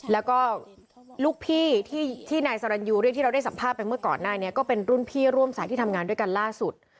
แล้วก็ลูกพี่ที่นายสรรยูเรียกที่เราได้สัมภาษณ์ไปเมื่อก่อนหน้านี้ก็เป็นรุ่นพี่ร่วมสายที่ทำงานด้วยกันล่าสุด